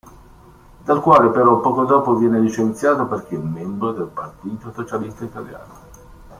Dal quale però poco dopo viene licenziato perché membro del Partito Socialista Italiano.